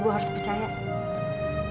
bukan bercanda kan